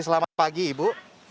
selamat pagi ibu